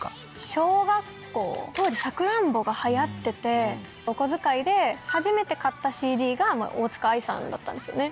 小学校当時『さくらんぼ』が流行っててお小遣いで初めて買ったＣＤが大塚愛さんだったんですよね。